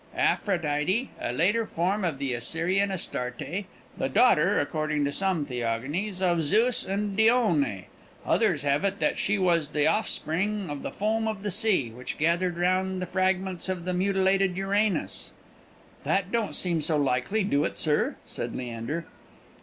Aphrodite, a later form of the Assyrian Astarte; the daughter, according to some theogonies, of Zeus and Dione; others have it that she was the offspring of the foam of the sea, which gathered round the fragments of the mutilated Uranos " "That don't seem so likely, do it, sir?" said Leander.